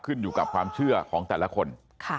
ขึ้นอยู่กับความเชื่อของแต่ละคน